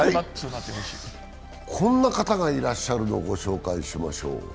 こんな方がいらっしゃるのをご紹介しましょう。